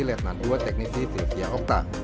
letnan dua teknisi filsia okta